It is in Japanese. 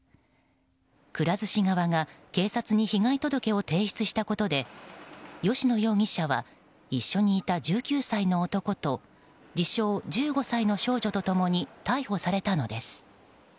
くら寿司側が警察に被害届を提出したことで吉野容疑者は一緒にいた１９歳の男と自称１５歳の少女と共に逮捕されたのです。